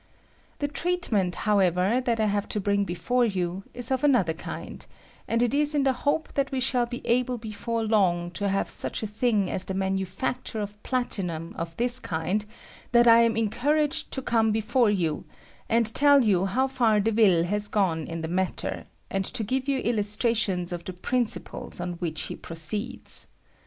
The treatment, however, that I have to bring before you is of another kind, and it is in the hope that we shall be able before long to have Buch a thing as the manufacture of platinum of this kind that I am encouraged to come before you, and tell you how far Deville has gone in the matter, and to give you illustrations of the principles on which he proceeds.